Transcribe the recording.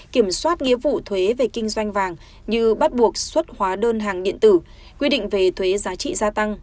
kiểm soát nghĩa vụ thuế về kinh doanh vàng như bắt buộc xuất hóa đơn hàng điện tử quy định về thuế giá trị gia tăng